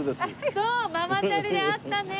そうママチャリで会ったねえ。